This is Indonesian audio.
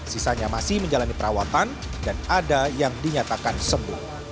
sisanya masih menjalani perawatan dan ada yang dinyatakan sembuh